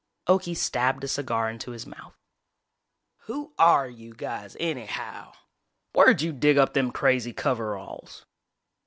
Okie stabbed a cigar into his mouth. "Who are you guys anyhow? Where'd you dig up them crazy coveralls?"